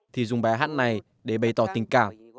thì dùng bài hát này để bày tỏ tình cảm